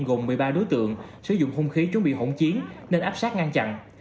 gồm một mươi ba đối tượng sử dụng hung khí chuẩn bị hỗn chiến nên áp sát ngăn chặn